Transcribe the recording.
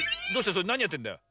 それなにやってんだよ？